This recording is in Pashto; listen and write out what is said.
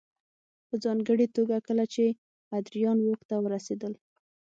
په ځانګړې توګه کله چې ادریان واک ته ورسېدل